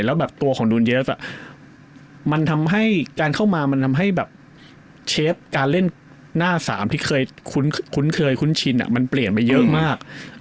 แล้วแบบตัวของดูนเยฟมันทำให้การเข้ามามันทำให้แบบเชฟการเล่นหน้าสามที่เคยคุ้นเคยคุ้นชินมันเปลี่ยนไปเยอะมาก